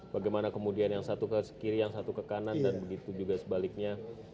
bagaimana kemudian yang satu ke kiri yang satu ke kanan dan begitu juga sebaliknya